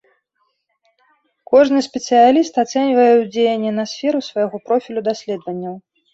Кожны спецыяліст ацэньвае ўздзеянне на сферу свайго профілю даследаванняў.